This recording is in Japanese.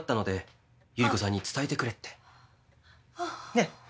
ねっ。